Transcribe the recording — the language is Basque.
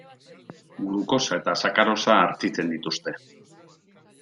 Glukosa eta sakarosa hartzitzen dituzte.